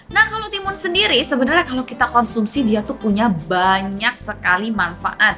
nah kalau timun sendiri sebenarnya kalau kita konsumsi dia tuh punya banyak sekali manfaat